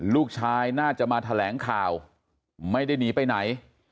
ลูกชายน่าจะมาแถลงข่าวไม่ได้หนีไปไหน